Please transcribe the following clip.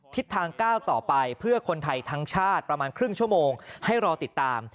ทิศทางก้าวต่อไปเพื่อคนไทยทั้งชาติประมาณครึ่งชั่วโมงให้รอติดตาม